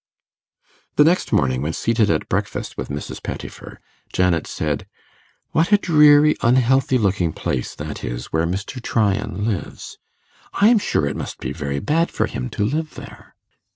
The next morning, when seated at breakfast with Mrs. Pettifer, Janet said, 'What a dreary unhealthy looking place that is where Mr. Tryan lives! I'm sure it must be very bad for him to live there.